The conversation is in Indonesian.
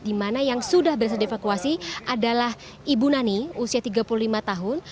di mana yang sudah berhasil dievakuasi adalah ibu nani usia tiga puluh lima tahun